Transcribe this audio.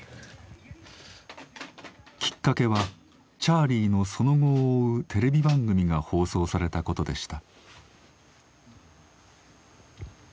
きっかけはチャーリーのその後を追うテレビ番組が放送されたことでした。